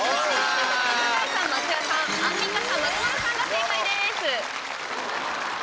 向井さん、松也さんアンミカさん、松丸さんが正解です。